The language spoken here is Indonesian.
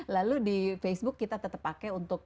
lalu di facebook kita tetap pakai untuk